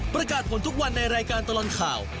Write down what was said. ประกาศผลทุกวันในรายการตลอดข่าว